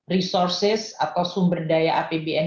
resources atau sumber daya apbn